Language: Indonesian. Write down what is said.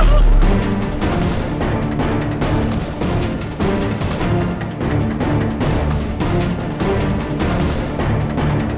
kamu bukan pah adm prawding